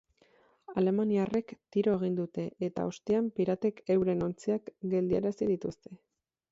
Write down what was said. Alemaniarrek tiro egin dute, eta ostean piratek euren ontziak geldiarazi dituzte.